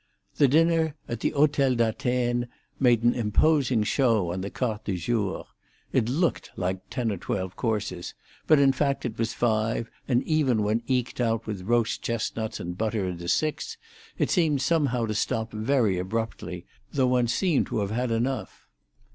The dinner at the Hotel d'Atene made an imposing show on the carte du jour; it looked like ten or twelve courses, but in fact it was five, and even when eked out with roast chestnuts and butter into six, it seemed somehow to stop very abruptly, though one seemed to have had enough.